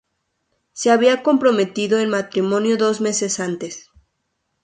Se había comprometido en matrimonio dos meses antes.